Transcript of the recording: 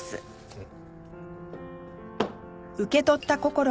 うん。